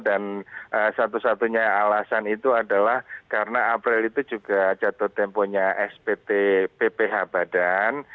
dan satu satunya alasan itu adalah karena april itu juga jatuh temponya spt bph badan